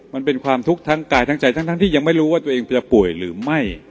มันเป็นความทุกข์ทั้งกายทั้งใจทั้งที่ยังไม่รู้ว่าตัวเองจะป่วยหรือไม่